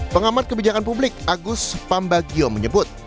pengamat kebijakan publik agus pambagio menyebut